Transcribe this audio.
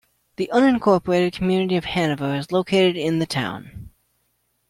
The unincorporated community of Hanover is located in the town.